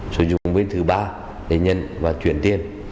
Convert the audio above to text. sử dụng bên thứ ba để nhận và chuyển tiền